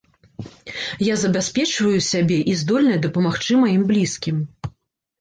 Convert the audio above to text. Я забяспечваю сябе і здольная дапамагчы маім блізкім.